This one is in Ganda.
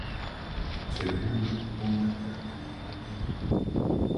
Kibayambe okukuuma enkolagana wakati waabwe.